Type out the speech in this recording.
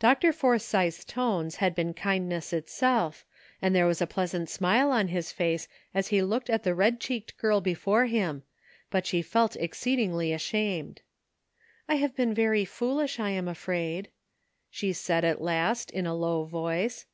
Dr. Forsythe's tones had been kindness itself, and there was a pleasant smile on his face as he looked at the red cheeked girl before him, but she felt exceedingly ashamed. " I have been very foolish, I am afraid," she Raid at last, in a low voice.